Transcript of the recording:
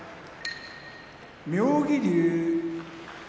妙義龍